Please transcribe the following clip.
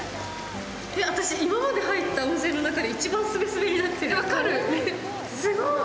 私、今まで入った温泉の中で一番すべすべになってる。